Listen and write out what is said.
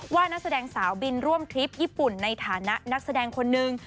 ว่านักแสดงสาวบินร่วมทริปญี่ปุ่นในฐานะนักแสดงคนนึง